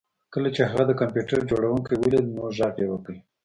کله چې هغه د کمپیوټر جوړونکی ولید نو غږ یې وکړ